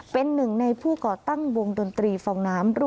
เป็นหนึ่งในผู้ก่อตั้งวงดนตรีฟองน้ำ